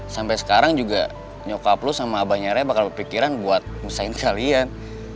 sampai sekarang juga nyokap lo sama abangnya raya bakal berpikiran buat pisahin kalian